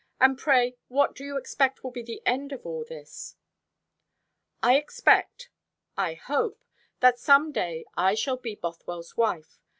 And pray what do you expect will be the end of all this?" "I expect I hope that some day I shall be Bothwell's wife.